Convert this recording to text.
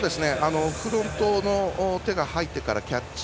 フロントの手が入ってからキャッチ。